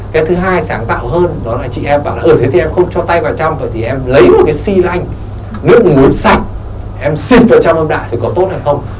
cái thứ hai sáng tạo hơn đó là chị em bảo là ừ thế thì em không cho tay vào trong vậy thì em lấy một cái xi lanh nước muối sạch em xịt vào trong âm đạo thì có tốt hay không